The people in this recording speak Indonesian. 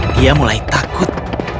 dia mulai takut